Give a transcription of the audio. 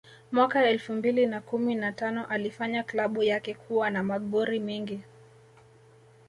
Mwaka elfu mbili na kumi na tano alifanya klabu yake kuwa na magori mengi